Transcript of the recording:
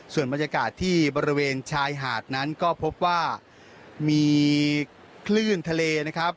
ส่วนบรรยากาศที่บริเวณชายหาดนั้นก็พบว่ามีคลื่นทะเลนะครับ